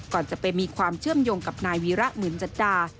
ก่อนจะไปมีความเชื่อมโยงกับนายวีระหมื่นจัจดา